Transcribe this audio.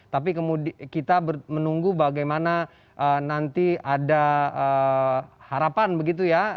tapi kita menunggu bagaimana nanti ada harapan begitu ya